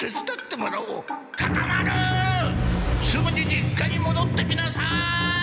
すぐに実家にもどってきなさい！